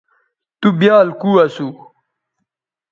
تُو بیال کو اسو